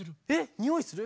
⁉においする？